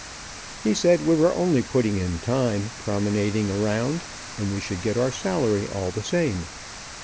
He said we were only putting in time, promenading around, and we should get our salary all the same.